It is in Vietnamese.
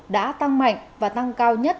đã tăng mạnh và tăng cao nhất